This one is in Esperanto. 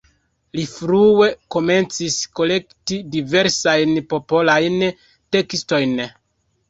Li frue komencis kolekti diversajn popolajn tekstojn.